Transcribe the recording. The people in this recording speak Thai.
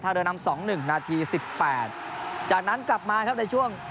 ท่าเรือนำสองหนึ่งนาทีสิบแปดจากนั้นกลับมาครับในช่วง